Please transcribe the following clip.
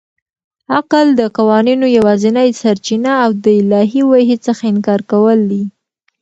عقل د قوانینو یوازنۍ سرچینه او د الهي وحي څخه انکار کول دي.